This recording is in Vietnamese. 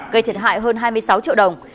gây thiệt hại hơn hai mươi sáu triệu đồng